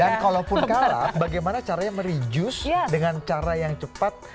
dan kalaupun kalat bagaimana caranya merijuus dengan cara yang cepat